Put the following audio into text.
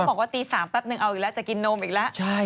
บอกว่าตี๓แป๊บนึงเอาอีกแล้วจะกินนมอีกแล้ว